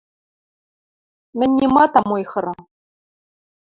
Мӹнь нимат ам ойхыры.